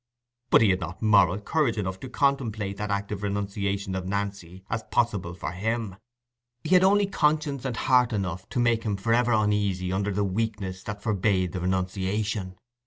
But he had not moral courage enough to contemplate that active renunciation of Nancy as possible for him: he had only conscience and heart enough to make him for ever uneasy under the weakness that forbade the renunciation.